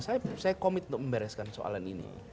saya komit untuk membereskan soalan ini